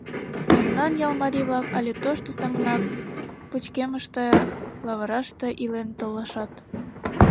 Мемнан ял марий-влак але тошто семынак пычкемыште, лавыраште илен толашат...